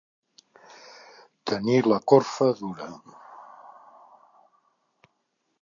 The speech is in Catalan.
Tenir la corfa dura.